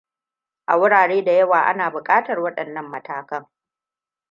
A wurare da yawa ana buƙatar waɗannan matakan.